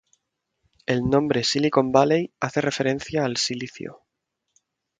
El Nombre "Silicon Valley" hace referencia al silicio.